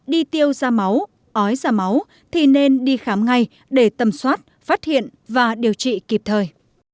đi tiêu ra máu ói ra máu thì nên đi khám ngay để tầm soát phát hiện và điều trị kịp thời